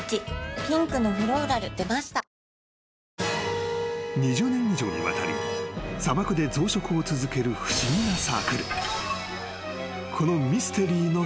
ピンクのフローラル出ました［２０年以上にわたり砂漠で増殖を続ける不思議なサークル］